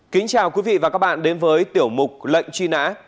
kính chào quý vị và các bạn đến với tiểu mục lệnh truy nã